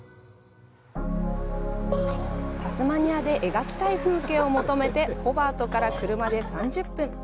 タスマニアで描きたい風景を求めてホバートから車で３０分。